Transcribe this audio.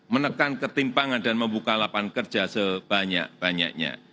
menekan ketimpangan dan membuka lapangan kerja sebanyak banyaknya